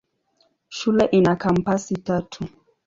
Shule ina kampasi tatu.